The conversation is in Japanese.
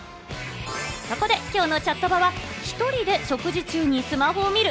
そこで今日の「チャットバ」は、ひとりで食事中にスマホを見る。